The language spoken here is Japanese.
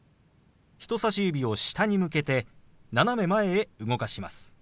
人さし指を下に向けて斜め前へ動かします。